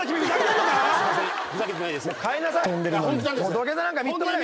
土下座なんかみっともない。